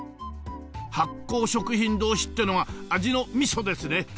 発酵食品同士っていうのが味のミソですね。